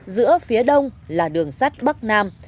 giữa phía đông là đường sắt bắc nam